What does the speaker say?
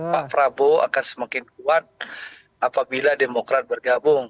pak prabowo akan semakin kuat apabila demokrat bergabung